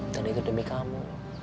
tadi itu demi kamu